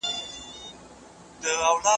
زه پرون انځور ګورم وم؟!